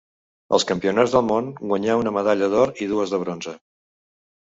Als campionats del món guanyà una medalla d'or i dues de bronze.